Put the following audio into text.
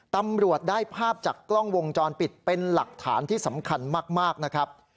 ตำรวจได้ภาพจากกล้องวงจรปิดเป็นหลักฐานที่สำคัญมากนะครับ